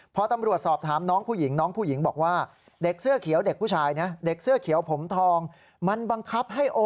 พอตำรวจสอบถามน้องผู้หญิงน้องผู้หญิงบอกว่า